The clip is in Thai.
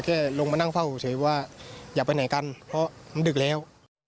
แค่ลงมานั่งเฝ้าเฉยว่าอยากไปไหนกันเพราะมันดึกแล้ว